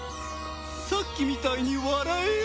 さっきみたいに笑えよ！